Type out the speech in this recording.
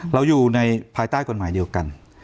เราอยู่ในภายใต้กฎหมายเดียวกัน